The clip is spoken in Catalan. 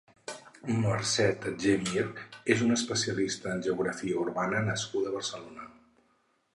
Mercè Tatjer Mir és una especialista en geografia urbana nascuda a Barcelona.